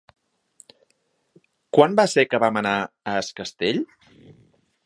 Quan va ser que vam anar a Es Castell?